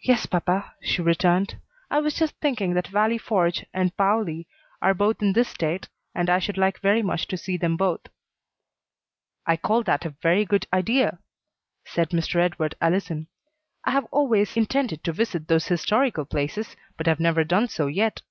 "Yes, papa," she returned. "I was just thinking that Valley Forge and Paoli are both in this State, and I should like very much to see them both." "I call that a very good idea," said Mr. Edward Allison. "I have always intended to visit those historical places, but have never done so yet."